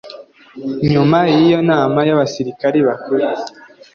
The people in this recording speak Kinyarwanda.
Nyuma y'iyo nama y'abasirikari bakuru